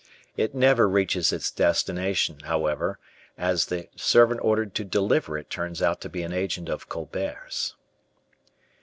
It never reaches its destination, however, as the servant ordered to deliver it turns out to be an agent of Colbert's.